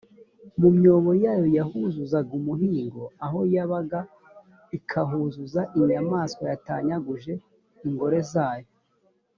mu myobo yayo yahuzuzaga umuhigo aho yabaga ikahuzuza inyamaswa yatanyaguje ingore zayo